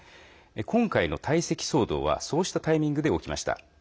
今回の退席騒動はそうしたタイミングで起きました。